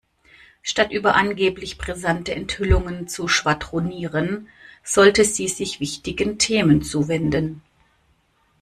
Statt über angeblich brisante Enthüllungen zu schwadronieren, sollte sie sich wichtigen Themen zuwenden.